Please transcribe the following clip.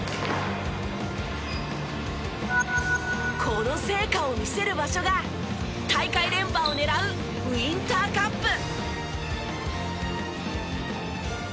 この成果を見せる場所が大会連覇を狙うウインターカップ！